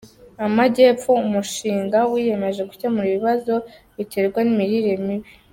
Amajyepfo Umushinga wiyemeje gukemura ibibazo biterwa n’imirire mibi